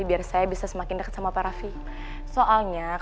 bapak udah banyak